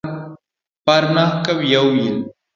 Parna kawiya owil.